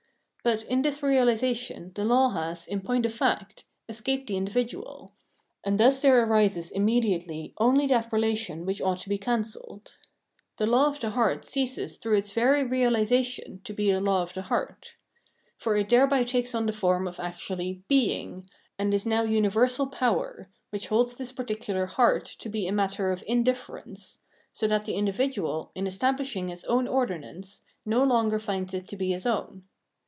But in this realisation, the law has, in point of fact, escaped the individual ; and thus there arises immediately only that relation which ought to be can celled. The law of the heart ceases through its very reaUsation to be a law of the heart. For it thereby takes on the form of actually " being/' and is now uni versal power, which holds this particular " heart " to be a matter of iadiiierence ; so that the individual, in estab lishing his own ordinance, no longer finds it to be his own.